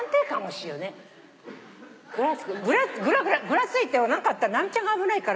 ぐらついて何かあったら直美ちゃんが危ないから。